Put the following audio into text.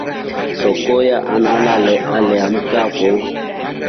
Shokuya nalele ameamkafo.